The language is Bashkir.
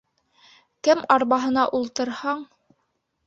Кем арбаһына ултырһаң